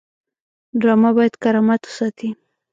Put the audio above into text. ډرامه باید کرامت وساتي